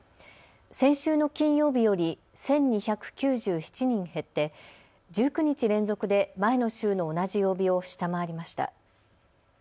先週の金曜日より１２９７人減って１９日連続で前の週の同じ曜日を下回りました。